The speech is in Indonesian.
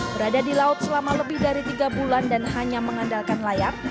berada di laut selama lebih dari tiga bulan dan hanya mengandalkan layar